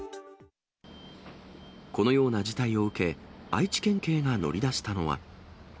このような事態を受け、愛知県警が乗り出したのは。